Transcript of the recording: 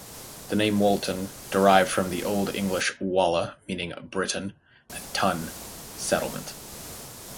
The name Walton derived from the Old English "walla" (meaning Briton) and "tun" (settlement).